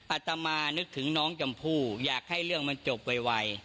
อาตมานึกถึงน้องชมพู่อยากให้เรื่องมันจบไว